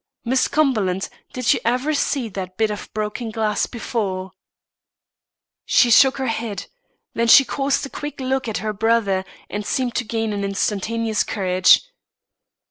"Miss Cumberland, did you ever see that bit of broken glass before?" She shook her head. Then she cast a quick look at her brother, and seemed to gain an instantaneous courage.